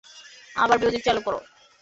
আবার মিউজিক চালু করে দাও।